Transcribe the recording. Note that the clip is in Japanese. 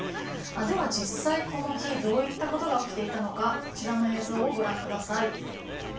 では、実際にこの日どういったことが起きていたのかこちらの映像をご覧ください。